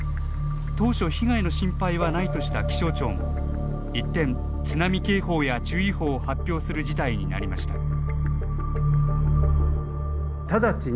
当初、被害の心配はないとした気象庁も一転、津波警報や注意報を発表する事態になりました。